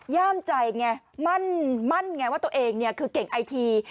ย่ามใจไงมั่นไงว่าตัวเองเนี่ยคือเก่งไอที